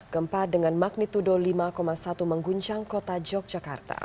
gempa dengan magnitudo lima satu mengguncang kota yogyakarta